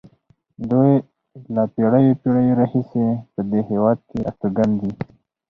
دوی له پېړیو پېړیو راهیسې په دې هېواد کې استوګن دي.